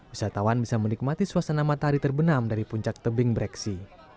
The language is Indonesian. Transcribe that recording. wisatawan bisa menikmati suasana matahari terbenam dari puncak tebing breksi